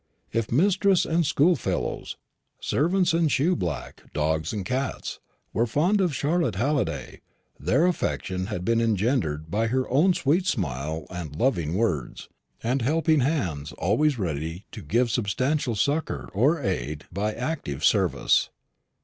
If mistress and schoolfellows, servants and shoeblack, dogs and cats, were fond of Charlotte Halliday, their affection had been engendered by her own sweet smiles and loving words, and helping hands always ready to give substantial succour or to aid by active service.